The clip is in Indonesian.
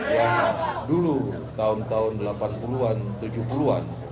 yang dulu tahun tahun delapan puluh an tujuh puluh an